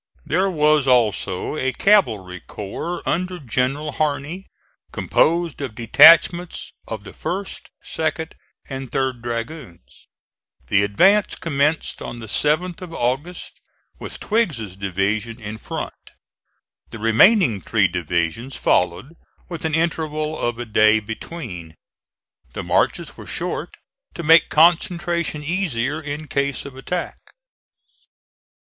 There was also a cavalry corps under General Harney, composed of detachments of the 1st, 2d, and 3d dragoons. The advance commenced on the 7th of August with Twiggs's division in front. The remaining three divisions followed, with an interval of a day between. The marches were short, to make concentration easier in case of attack.